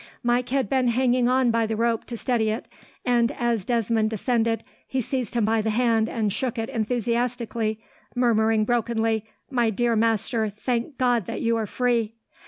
Mike had been hanging on by the rope to steady it, and as Desmond descended, he seized him by the hand and shook it enthusiastically, murmuring brokenly, "My dear master, thank God that you are free!"